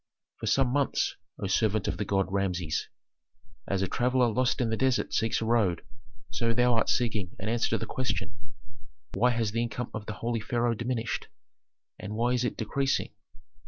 "For some months, O servant of the gods, Rameses, as a traveller lost in the desert seeks a road, so thou art seeking an answer to the question: Why has the income of the holy pharaoh diminished, and why is it decreasing?